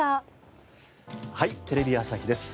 『はい！テレビ朝日です』